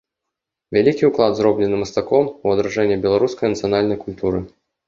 Вялікі ўклад зроблены мастаком у адраджэнне беларускай нацыянальнай культуры.